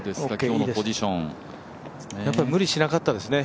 やっぱり無理しなかったですね。